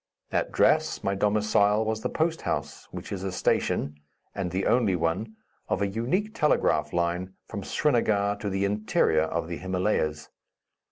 At Drass, my domicile was the post house, which is a station and the only one of an unique telegraph line from Srinagar to the interior of the Himalayas.